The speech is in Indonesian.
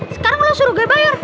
sekarang udah suruh gue bayar